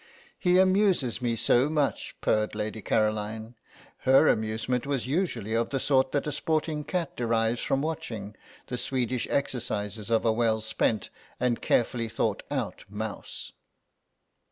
"He amuses me so much," purred Lady Caroline. Her amusement was usually of the sort that a sporting cat derives from watching the Swedish exercises of a well spent and carefully thought out mouse.